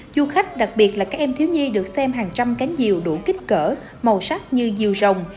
du khách đặc biệt là các em thiếu nhi được xem hàng trăm cánh diều đủ kích cỡ màu sắc như diều rồng